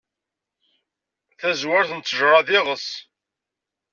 Tazwert n ttejṛa, d iɣes.